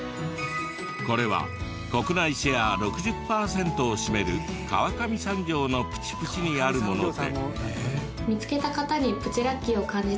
これは国内シェア６０パーセントを占める川上産業のプチプチにあるもので。